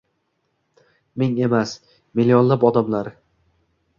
Ming emas, millionlab odamlar